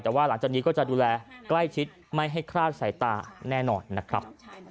แต่ว่าหลังจากนี้ก็จะดูแลใกล้ชิดไม่ให้คลาดสายตาแน่นอนนะครับ